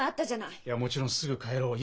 いやもちろん「すぐ帰ろう。